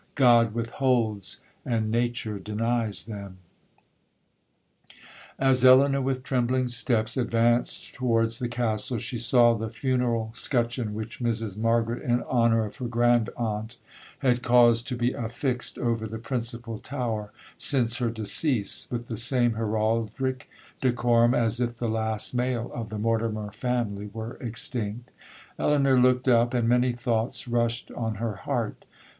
God withholds,—and Nature denies them! 'As Elinor with trembling steps advanced towards the Castle, she saw the funeral scutcheon which Mrs Margaret, in honour of her grand aunt, had caused to be affixed over the principal tower since her decease, with the same heraldric decorum as if the last male of the Mortimer family were extinct. Elinor looked up, and many thoughts rushed on her heart.